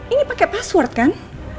ini pake password kan